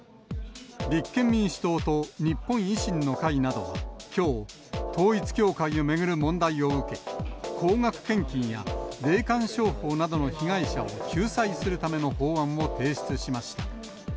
立憲民主党と日本維新の会などは、きょう、統一教会を巡る問題を受け、高額献金や霊感商法などの被害者を救済するための法案を提出しました。